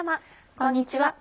こんにちは。